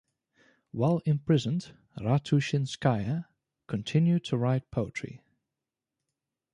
While imprisoned Ratushinskaya continued to write poetry.